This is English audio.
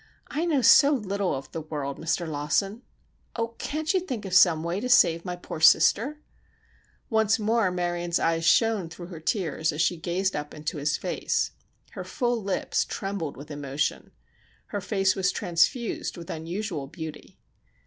"I know so little of the world, Mr. Lawson. Oh, can't you think of some way to save my poor sister?" Once more Marion's eyes shone through her tears as she gazed up into his face. Her full lips trembled with emotion. Her face was transfused with unusual beauty.